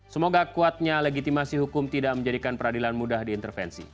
semoga kuatnya legitimasi hukum tidak menjadikan peradilan mudah diintervensi